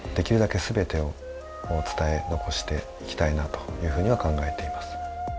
というふうには考えています。